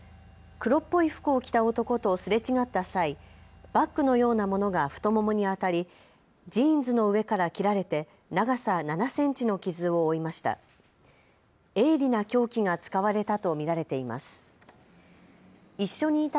黒っぽい服を着た男とすれ違った際、バッグのようなものが太ももに当たりジーンズの上から切られて長さ７センチの傷を負いました。